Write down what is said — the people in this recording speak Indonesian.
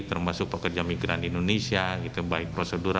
termasuk pekerja migran di indonesia gitu baik prosedur